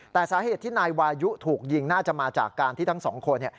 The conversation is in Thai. แต่สาเหตุที่นายวายุถูกยิงน่าจะมาจากการที่ทั้งสองคน